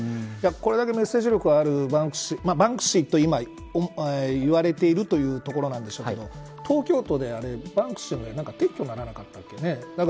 これだけメッセージ力のあるバンクシーと今言われているというところなんでしょうけど東京都でバンクシーの撤去にならなかったっけね。